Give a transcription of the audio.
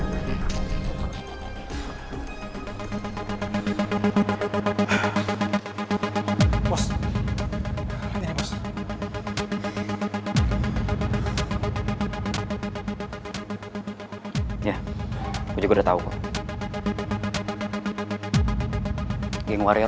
karena mereka diserang geng warior